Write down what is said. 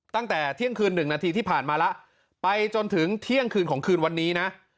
ตั้งแต่เที่ยงคืนหนึ่งนาทีที่ผ่านมาแล้วไปจนถึงเที่ยงคืนของคืนวันนี้นะ